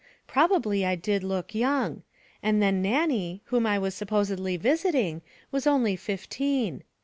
Probably I did look young; and then Nannie, whom I was supposedly visiting, was only fifteen.